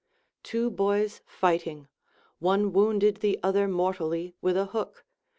Two boys fighting, one wounded the other mortally with a hook.